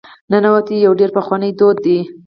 ننواتې یو ډېر پخوانی دود دی.